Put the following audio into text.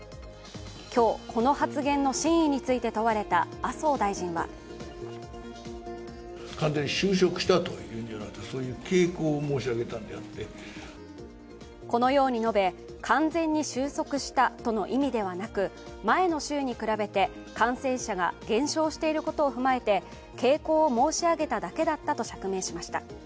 今日、この発言の真意について問われた麻生大臣はこのように述べ、完全に収束したとの意味ではなく前の週に比べて感染者が減少していることを踏まえて傾向を申し上げただけだったと釈明しました。